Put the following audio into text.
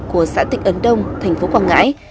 của xã tịch ấn đông thành phố quảng ngãi